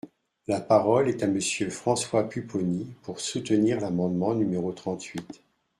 La parole est à Monsieur François Pupponi, pour soutenir l’amendement numéro trente-huit.